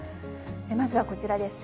まずはこちらです。